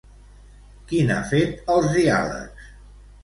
Qui n'ha fet els diàlegs?